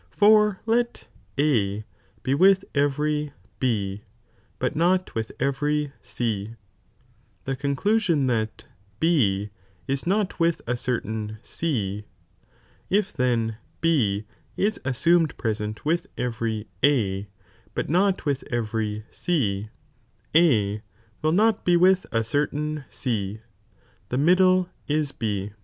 For let A be acmoniiiraied with cvQTj B, but not with every C, the coiiclu "J'^Siulaim sion that B is not with a certain C, if then B is «'i't assumed present with every A, but not with every C, A wil} not be with a certain C, the middle is B.